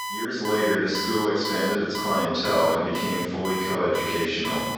Years later the school expanded its clientele and became fully co-educational.